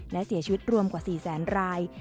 และเสียชีวิตรวมกว่า๔แสนราย